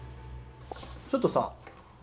ちょっとさ尚